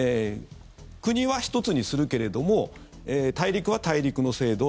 国は１つにするけれども大陸は大陸の制度